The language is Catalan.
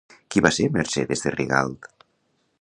Qui va ser Mercedes de Rigalt?